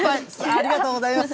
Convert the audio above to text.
ありがとうございます。